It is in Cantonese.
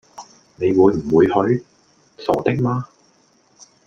你會唔會去？傻的嗎